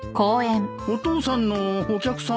お父さんのお客さん？